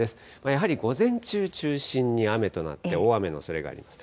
やはり午前中を中心に雨となって、大雨のおそれがあります。